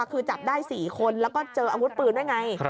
คือจับได้๔คนแล้วก็เจออาวุธปืนด้วยไง